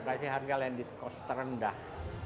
terima kasih harga landit cost terendah